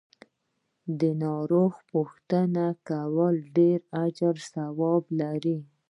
د ناروغ پو ښتنه کول ډیر اجر او ثواب لری .